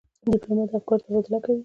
ډيپلومات د افکارو تبادله کوي.